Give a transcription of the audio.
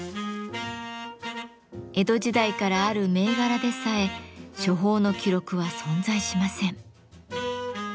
江戸時代からある銘柄でさえ処方の記録は存在しません。